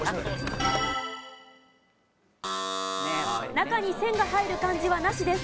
中に線が入る漢字はなしです。